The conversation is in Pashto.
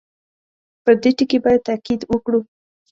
پر دې ټکي باندې تاءکید وکړو.